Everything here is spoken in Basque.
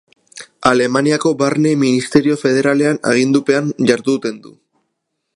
Alemaniako Barne Ministerio Federalaren agindupean jarduten du.